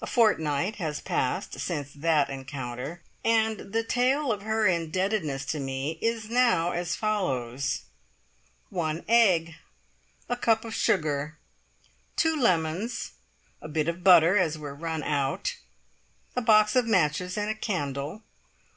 A fortnight has passed since that encounter, and the tale of her indebtedness to me is now as follows: One egg. A cup of sugar. Two lemons. "A bit of butter, as we're run out." A box of matches and a candle.